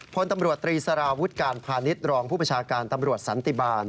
พลตำรวจตรีสารวุฒิการพาณิชย์รองผู้ประชาการตำรวจสันติบาล